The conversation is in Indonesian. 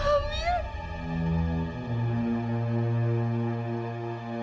saya merasa bubur